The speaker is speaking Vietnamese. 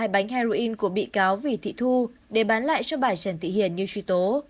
bánh heroin của bị cáo vì thị thu để bán lại cho bà trần tị hiền như truy tố